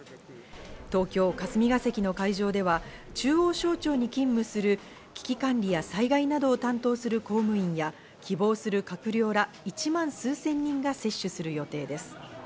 東京・霞が関の会場では中央省庁に勤務する危機管理や災害などを担当する公務員や希望する閣僚ら１万数千人が接種する予定です。